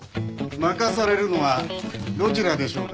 負かされるのはどちらでしょうかね？